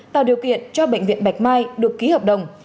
tạo điều kiện cho bệnh viện bạch mai được ký hợp đồng